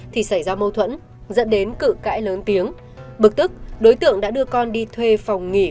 thì xảy ra mâu thuẫn dẫn đến cự cãi lớn tiếng bực tức đối tượng đã đưa con đi thuê phòng nghỉ